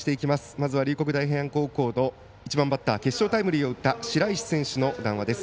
まずは龍谷大平安高校の１番バッター決勝タイムリーを打った白石選手の談話です。